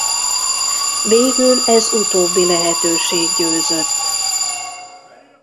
Végül ez utóbbi lehetőség győzött.